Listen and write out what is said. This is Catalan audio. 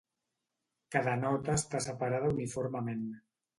Cada nota està separada uniformement.